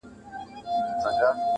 زه چي وګورمه تاته عجیبه سم,